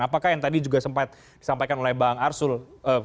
apakah yang tadi juga disampaikan oleh bang arief